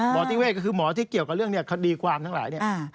หมอนิติเวชก็คือหมอที่เกี่ยวกับเรื่องคดีความทั้งหลาย